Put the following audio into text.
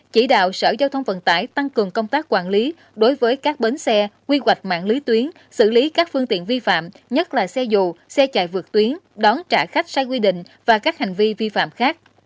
chỉ đạo sở giao thông vận tải tăng cường công tác quản lý đối với các bến xe quy hoạch mạng lưới tuyến xử lý các phương tiện vi phạm nhất là xe dù xe chạy vượt tuyến đón trả khách sai quy định và các hành vi vi phạm khác